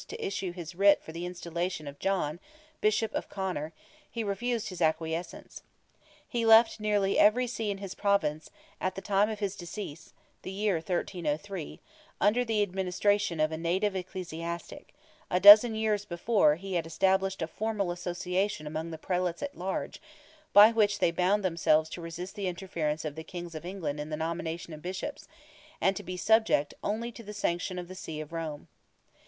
to issue his writ for the installation of John, Bishop of Conor, he refused his acquiescence. He left nearly every See in his Province, at the time of his decease (the year 1303), under the administration of a native ecclesiastic; a dozen years before he had established a formal "association" among the Prelates at large, by which they bound themselves to resist the interference of the Kings of England in the nomination of Bishops, and to be subject only to the sanction of the See of Rome.